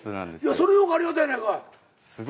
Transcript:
それの方がありがたいやないかい。